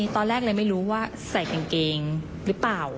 ตอนแรกเลยไม่รู้ว่าใส่กางเกงหรือเปล่า